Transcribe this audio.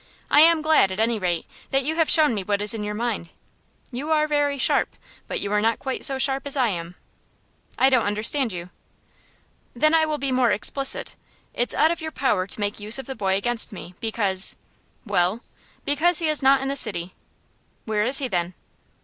"I am glad, at any rate, that you have shown me what is in your mind. You are very sharp, but you are not quite so sharp as I am." "I don't understand you." "Then I will be more explicit. It's out of your power to make use of the boy against me, because " "Well?" "Because he is not in the city." "Where is he, then?"